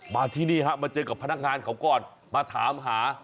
มาที่นี่ฮะมาเจอกับพนักงานเขาก่อนมาถามหา